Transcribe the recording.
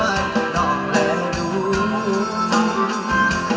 อันนรายจมอนอีก